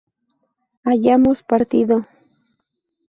hayamos partido